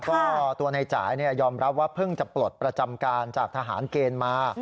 ก็ตัวในจ่ายยอมรับว่าเพิ่งจะปลดประจำการจากทหารเกณฑ์มา